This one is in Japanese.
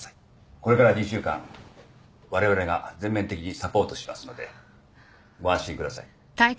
これから２週間われわれが全面的にサポートしますのでご安心ください。